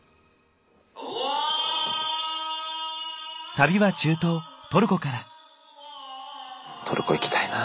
旅は中東トルコから。